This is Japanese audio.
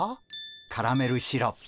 カラメルシロップ。